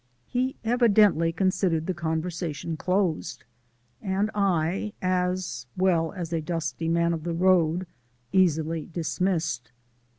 He evidently considered the conversation closed, and I, as well, as a dusty man of the road easily dismissed.